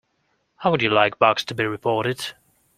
How would you like bugs to be reported?